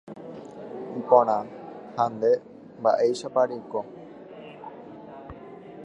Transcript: Iporã. Ha nde. Mba’éichapa reiko.